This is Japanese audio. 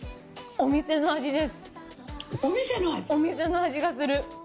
お店の味がする